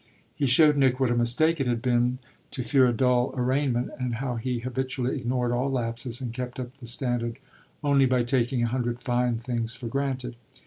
He showed Nick what a mistake it had been to fear a dull arraignment, and how he habitually ignored all lapses and kept up the standard only by taking a hundred fine things for granted.